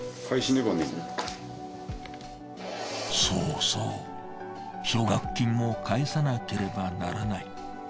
そうそう奨学金を返さなければならない。